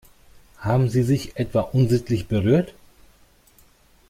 Haben sie sich etwa unsittlich berührt?